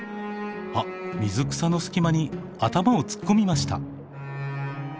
あっ水草の隙間に頭を突っ込みました。